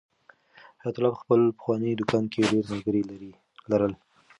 حیات الله په خپل پخواني دوکان کې ډېر ملګري لرل.